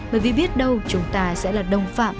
bởi vì biết đâu chúng ta sẽ là đồng phạm